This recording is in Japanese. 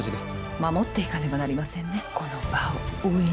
守っていけなければなりませんね、この和を。